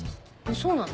そうなの？